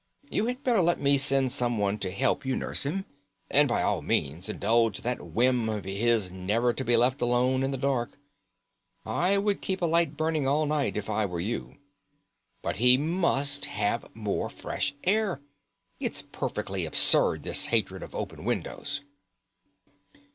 You had better let me send someone to help you nurse him. And by all means indulge that whim of his never to be left alone in the dark. I would keep a light burning all night if I were you. But he must have more fresh air. It's perfectly absurd this hatred of open windows."